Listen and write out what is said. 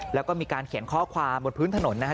แล้วก็มีการเขียนข้อความบนพื้นถนนนะฮะ